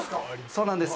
そうなんです。